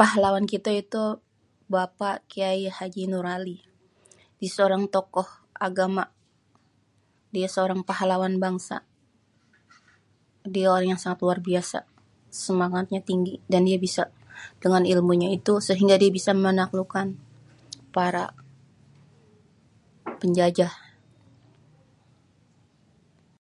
Pahlawan kita itu Bapak K.H Noor ali, dia seorang tokoh agama, dia seorang pahlawan bangsa, dia orang yang sangat luar biasa. Semangatnya tinggi dan dia bisa dengan ilmunya itu sehingga dia bisa menaklukan para penjajah.